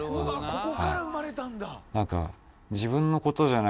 「ここから生まれたんだ！」